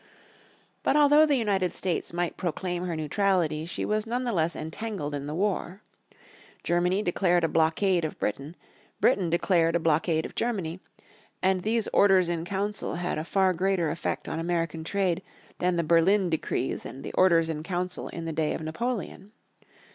But although the United States might proclaim her neutrality she was none the less entangled in the war. Germany declared a blockage of Britain, Britain declared a blockage of Germany, and these Orders in Council had a far greater effect on American trade than the Berlin Decrees and the Orders in Council in the day of Napoleon.